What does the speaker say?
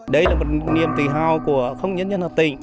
đây là một niềm tự hào của không những nhân hợp tỉnh